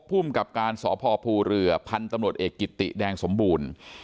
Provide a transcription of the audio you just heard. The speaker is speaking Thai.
ภูมิกับการสพภูเรือพันธุ์ตำรวจเอกกิติแดงสมบูรณ์